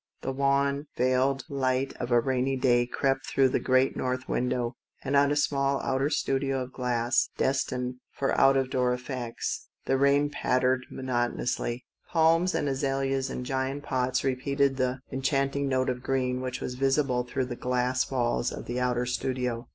The wan, veiled light of a MART GOES OUT ON A WET DAT 193 rainy day crept through the great north wirittow, and on a small outer studio of glass — destined for out of door effects — the rain pat tered monotonously. Palms and azaleas in giant pots repeated the enchanting note of green which was visible through the glass walls of the outer studio.